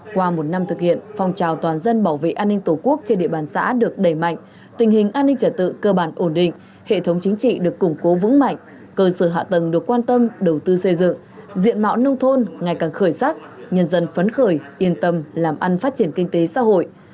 qua một năm thực hiện phong trào toàn dân bảo vệ an ninh tổ quốc trên địa bàn xã được đẩy mạnh tình hình an ninh trả tự cơ bản ổn định hệ thống chính trị được củng cố vững mạnh cơ sở hạ tầng được quan tâm đầu tư xây dựng diện mạo nông thôn ngày càng khởi sắc nhân dân phấn khởi yên tâm làm ăn phát triển kinh tế xã hội